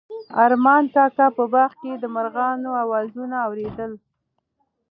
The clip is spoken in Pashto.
ارمان کاکا په باغ کې د مرغانو اوازونه اورېدل.